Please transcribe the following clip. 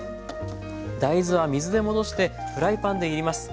大豆は水で戻してフライパンでいります。